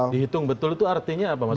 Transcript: dihitung betul itu artinya apa mas